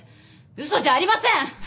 嘘じゃありません！